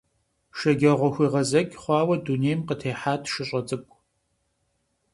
ШэджагъуэхуегъэзэкӀ хъуауэ дунейм къытехьат шыщӀэ цӀыкӀу.